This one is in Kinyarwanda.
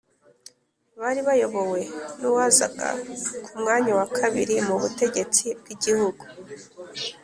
bari bayobowe n'uwazaga ku mwanya wa kabiri mu butegetsi bw'igihugu,